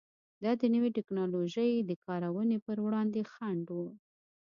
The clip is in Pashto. دا د نوې ټکنالوژۍ د کارونې پر وړاندې خنډ و.